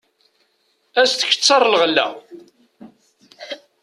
Ad as-d-tketteṛ lɣella.